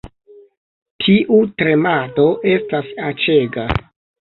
Tiu tremado estas aĉega